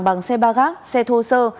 bằng xe ba gác xe thô sơ